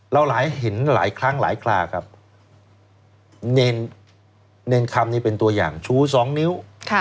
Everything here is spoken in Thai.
หลายเห็นหลายครั้งหลายคลาครับเนรคำนี่เป็นตัวอย่างชูสองนิ้ว